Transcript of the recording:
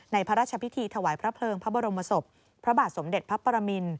พระราชพิธีถวายพระเพลิงพระบรมศพพระบาทสมเด็จพระปรมิน